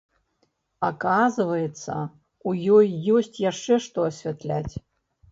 Аказваецца, у ёй ёсць яшчэ што асвятляць.